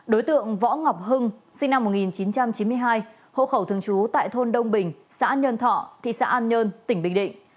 đối tượng võ ngọc hưng sinh năm một nghìn chín trăm chín mươi hai hộ khẩu thường trú tại thôn đông bình xã nhân thọ thị xã an nhơn tỉnh bình định